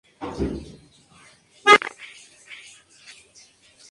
Jugó en el Spartak de Moscú.